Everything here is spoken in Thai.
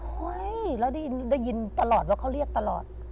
เฮ้ยแล้วได้ยินตลอดว่าเขาเรียกตลอด